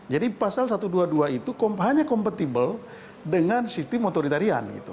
jadi pasal satu ratus dua puluh dua itu hanya kompatibel dengan sistem motoritarian gitu